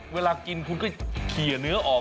เวลากินคุณก็เขียเนื้อออก